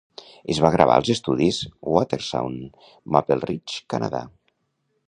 Es va gravar als estudis Watersound, Maple Ridge, Canadà.